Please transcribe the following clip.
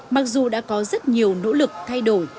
mặc dù đã có rất nhiều nỗ lực thay đổi